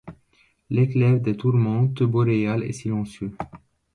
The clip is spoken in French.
L’éclair des tourmentes boréales est silencieux.